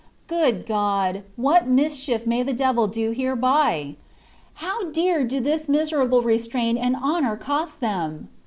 Good God ! what mischief may the devil do hereby ! How dear do this miserable restraint and honour cost them